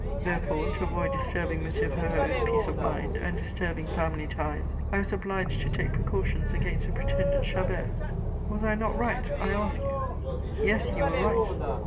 Therefore, to avoid disturbing Monsieur Ferraud's peace of mind, and disturbing family ties, I was obliged to take precautions against a pretended Chabert. Was I not right, I ask you?" "Yes, you were right.